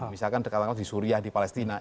misalkan dekat di suriah di palestina